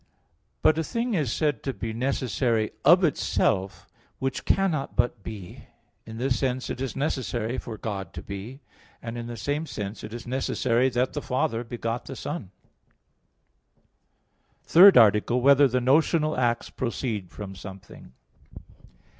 But a thing is said to be necessary "of itself" which cannot but be: in this sense it is necessary for God to be; and in the same sense it is necessary that the Father beget the Son. _______________________ THIRD ARTICLE [I, Q. 41, Art. 3] Whether the Notional Acts Proceed from Something?